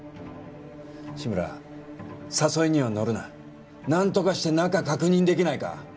志村誘いには乗るな何とかして中確認できないか？